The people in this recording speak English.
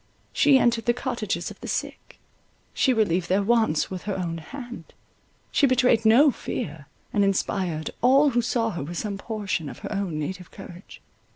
She entered the cottages of the sick; she relieved their wants with her own hand; she betrayed no fear, and inspired all who saw her with some portion of her own native courage.